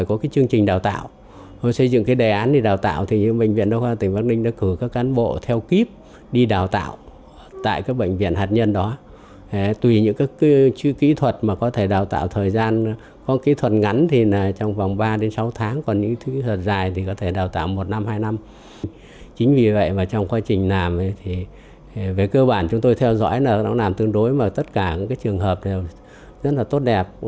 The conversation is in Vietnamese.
chính vì vậy trong quá trình làm về cơ bản chúng tôi theo dõi là nó làm tương đối mà tất cả những trường hợp rất là tốt đẹp